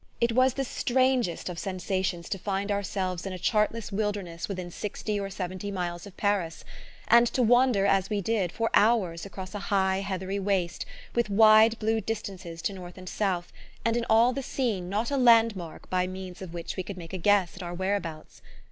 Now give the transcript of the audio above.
It was the strangest of sensations to find ourselves in a chartless wilderness within sixty or seventy miles of Paris, and to wander, as we did, for hours across a high heathery waste, with wide blue distances to north and south, and in all the scene not a landmark by means of which we could make a guess at our whereabouts.